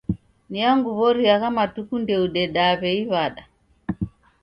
Ni angu w'ori agha matuku ndoudedaa w'ei w'ada.